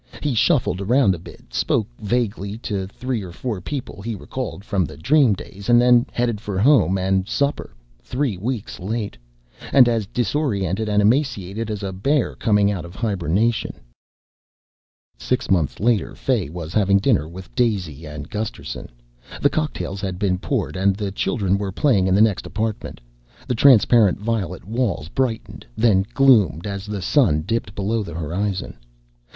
He shuffled around for a bit, spoke vaguely to three or four people he recalled from the dream days, and then headed for home and supper three weeks late, and as disoriented and emaciated as a bear coming out of hibernation. Six months later Fay was having dinner with Daisy and Gusterson. The cocktails had been poured and the children were playing in the next apartment. The transparent violet walls brightened, then gloomed, as the sun dipped below the horizon.